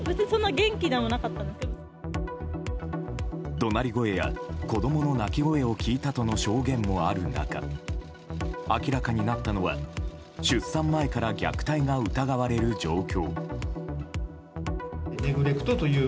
怒鳴り声や子供の泣き声を聞いたとの証言もある中明らかになったのは出産前から虐待が疑われる状況。